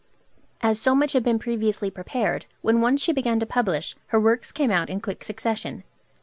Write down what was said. As so much had been previously prepared, when once she began to publish, her works came out in quick succession.